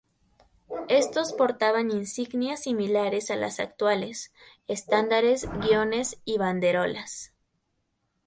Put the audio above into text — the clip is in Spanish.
Estos portaban insignias similares a las actuales: estandartes, guiones y banderolas.